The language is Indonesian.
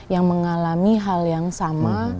yang mengalami hal yang sama